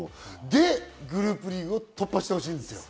で、グループリーグ突破してほしいんですよ。